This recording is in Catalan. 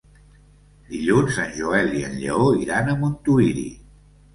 Dilluns en Joel i en Lleó iran a Montuïri.